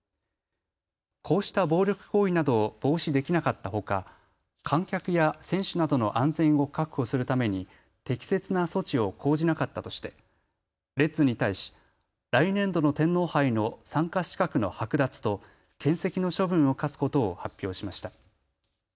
こうした暴力行為などを防止できなかったほか、観客や選手などの安全を確保するために適切な措置を講じなかったとしてレッズに対し来年度の天皇杯の参加資格の剥奪とけん責の処分を科すことを発表しました。